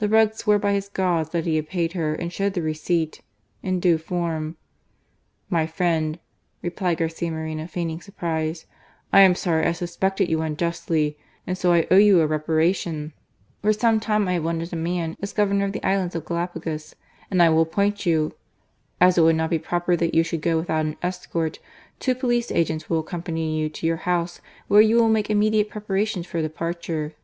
The rogue swore by his gods that he had paid her and showed the receipt in due form. THE MAN. 263 " My friend," replied Garcia Moreno, feigning surprise, " I am sorry I suspected you unjustly, and so I owe you a reparation. For some time I have wanted a man as Governor of the Islands of Galla* pagos, and I will appoint you. As it would not be proper that you should go without an escort, two police agents will accompany you to your house, where you will make immediate preparations for departure."